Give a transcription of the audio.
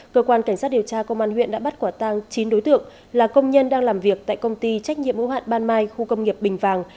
cơ quan cảnh sát điều tra công an huyện đã bắt quả tang chín đối tượng là công nhân đang làm việc tại công ty trách nhiệm ưu hạn ban mai khu công nghiệp bình vàng